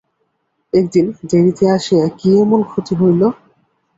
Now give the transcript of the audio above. একদিন দেরিতে আসিয়া কী এমন ক্ষতি হইল।